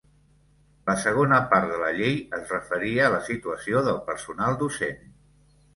La segona part de la llei es referia a la situació del personal docent.